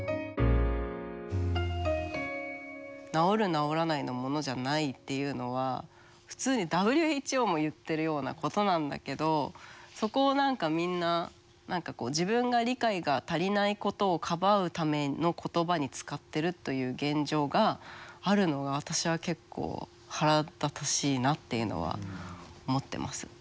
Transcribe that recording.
治らないのものじゃないっていうのは普通にＷＨＯも言ってるようなことなんだけどそこをみんな自分が理解が足りないことをかばうための言葉に使ってるという現状があるのが私は結構腹立たしいなっていうのは思ってます。